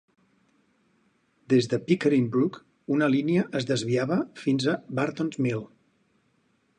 Des de Pickering Brook, una línia es desviava fins a Bartons Mill.